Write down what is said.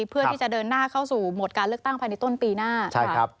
เพื่อที่จะเดินหน้าเข้าสู่โหมดการเลือกตั้งภายในต้นปีหน้า